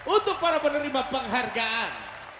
untuk para penerima penghargaan